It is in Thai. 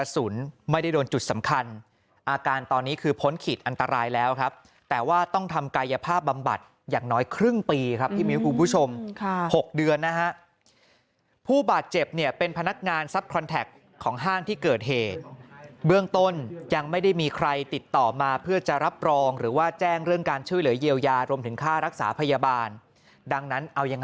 อาการตอนนี้คือพ้นขีดอันตรายแล้วครับแต่ว่าต้องทำกายภาพบำบัดอย่างน้อยครึ่งปีครับพี่มิ้วคุณผู้ชม๖เดือนนะฮะผู้บาดเจ็บเนี่ยเป็นพนักงานซับคอนแท็กของห้างที่เกิดเหตุเบื้องต้นยังไม่ได้มีใครติดต่อมาเพื่อจะรับรองหรือว่าแจ้งเรื่องการช่วยเหลือเยียวยารวมถึงค่ารักษาพยาบาลดังนั้นเอายัง